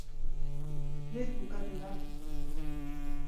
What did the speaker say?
Noiz bukatu da?